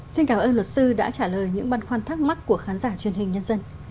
xin cảm ơn luật sư đã trả lời những băn khoăn thắc mắc của khán giả truyền hình nhân dân